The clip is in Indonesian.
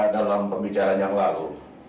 dalam pembicaraan yang lalu